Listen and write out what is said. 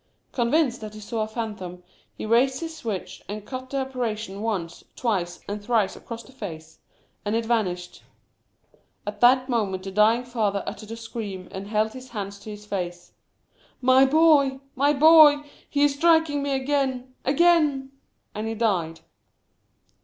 Convinced that he saw a phantom, he raised his switch, and cut the apparition once, twice, and thrice across the face ; and it vanished. At that moment the dying father uttered a scream, and held his hands to his face — "My boy! my boy! He is striking me again — again !" and he died.